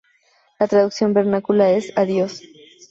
La traducción vernácula es, "adiós".